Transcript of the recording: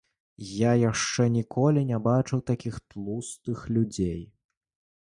Я яшчэ ніколі не бачыў такіх тлустых людзей.